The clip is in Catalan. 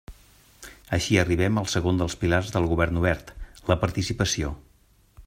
Així arribem al segon dels pilars del govern obert: la participació.